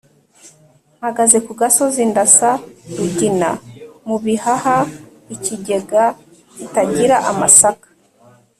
Mpagaze ku gasozi ndasa Rugina mu bihaha-Ikigega kitagira amasaka.